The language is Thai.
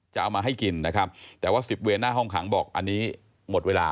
จะเอามาให้กินนะครับแต่ว่าสิบเวนหน้าห้องขังบอกอันนี้หมดเวลา